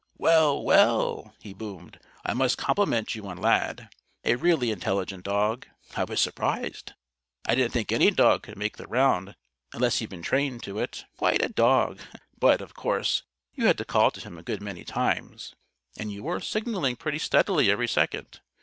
"Well, well!" he boomed. "I must compliment you on Lad! A really intelligent dog. I was surprised. I didn't think any dog could make the round unless he'd been trained to it. Quite a dog! But, of course, you had to call to him a good many times. And you were signaling pretty steadily every second.